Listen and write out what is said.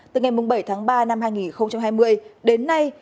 từ ngày bảy tháng ba năm hai nghìn hai mươi đến nay